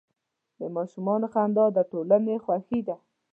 د ماشومانو خندا د ټولنې خوښي ده.